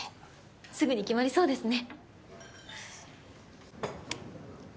すぐに決まりそうですね。